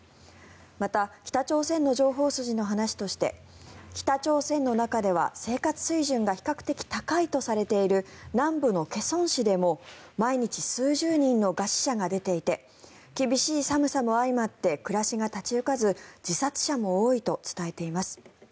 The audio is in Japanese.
また、北朝鮮の情報筋の話として北朝鮮の中では生活水準が比較的高いとされている南部の開城市でも毎日数十人の餓死者が出ていて厳しい寒さも相まって暮らしが立ち行かず自殺者も多いと伝えています。